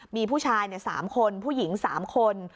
มีผู้ชาย๓คนผู้หญิง๓คน